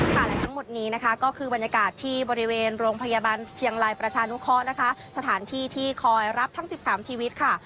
และทั้งหมดนี้นะคะก็คือบรรยากาศที่บริเวณโรงพยาบาลเชียงรายประชานุเคราะห์นะคะสถานที่ที่คอยรับทั้ง๑๓ชีวิตค่ะ